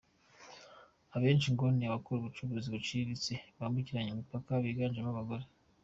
Abenshi ngo ni abakora ubucuruzi buciriritse, bwambukiranya imipaka biganjemo abagore.